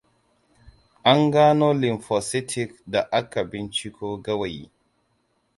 An gano lymphocytic da aka binciko gawaki.